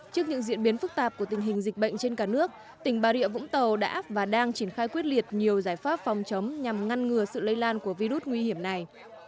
trước những diễn biến phức tạp của tình hình dịch bệnh trên cả nước tỉnh bà rịa vũng tàu đã và đang triển khai quyết liệt nhiều giải pháp phòng chống nhằm ngăn ngừa sự lây lan của virus nguy hiểm này